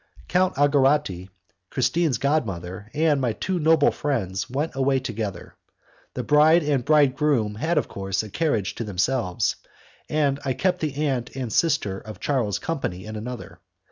Count Algarotti, Christine's god mother and my two noble friends, went away together. The bride and bridegroom had, of course, a carriage to themselves, and I kept the aunt and the sister of Charles company in another.